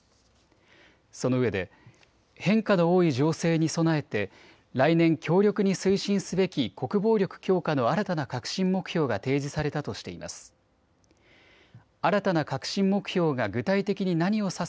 そのうえで変化の多い情勢に備えて来年、強力に推進すべき国防力強化の新たな核心目標が提示されたとしています。